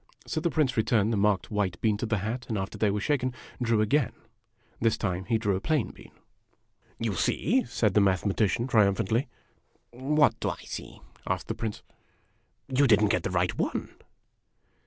So the Prince returned the marked white bean to the hat, and after they were well shaken, drew again. This time he drew a plain bean. THE PRINCE S COUNCILORS 141 " You see," said the Mathematician, triumphantly. " What do I see?" asked the Prince. " You did n't get the right one."